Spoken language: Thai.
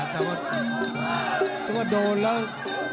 จะว่าโดนแล้ว